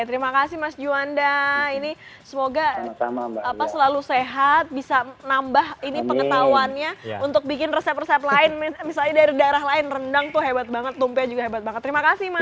terima kasih mas juanda ini semoga selalu sehat bisa nambah ini pengetahuannya untuk bikin resep resep lain misalnya dari daerah lain rendang tuh hebat banget lumpia juga hebat banget terima kasih mas